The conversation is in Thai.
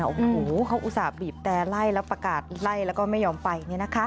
โอ้โหเขาอุตส่าห์บีบแต่ไล่แล้วประกาศไล่แล้วก็ไม่ยอมไป